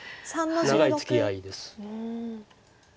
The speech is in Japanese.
長いつきあいです。